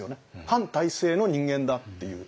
反体制の人間だっていう。